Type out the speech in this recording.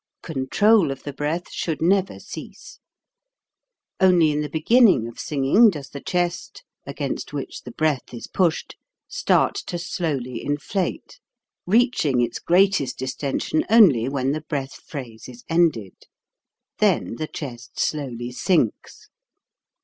Control of the breath should never cease. Only in the beginning of singing does the chest against which the breath is pushed start to slowly inflate, reaching its greatest distention only when the breath phrase is ended. Then the chest slowly sinks.